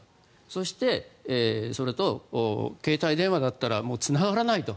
そして、それと携帯電話だったらつながらないと。